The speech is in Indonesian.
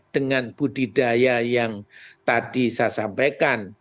dengan budidaya yang tadi saya sampaikan